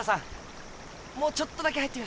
もうちょっとだけ入ってみましょうよ。